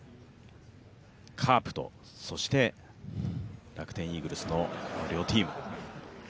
カープとそして楽天イーグルスの両チーム。